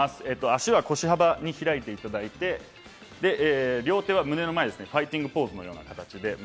足は腰幅に開いていただいて、両手は胸の前です、ファイティングポーズのような形。